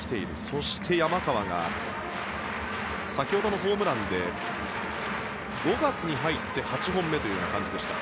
そして、山川が先ほどのホームランで５月に入って８本目ということでした。